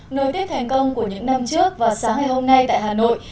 nối tết thành công của những năm trước và sáng ngày hôm nay tại hà nội